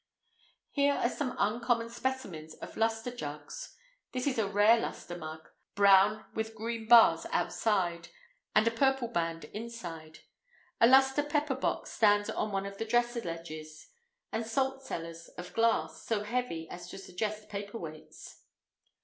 Here are some uncommon specimens of lustre jugs. This is a rare lustre mug, brown with green bars outside, and a purple band inside. A lustre pepper box stands on one of the dresser ledges, and salt cellars of glass, so heavy as to suggest paper weights.